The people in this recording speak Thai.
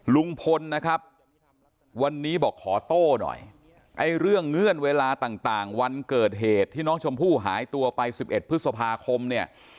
ลุงพลนะครับวันนี้บอกขอโต้หน่อยไอ้เรื่องเงื่อนเวลาต่างวันเกิดเหตุที่น้องชมพู่หายตัวไป๑๑พฤษภาคมเนี่ย